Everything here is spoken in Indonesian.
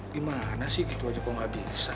gimana sih gitu aja kok nggak bisa